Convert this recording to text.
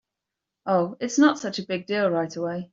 Oh, it’s not such a big deal right away.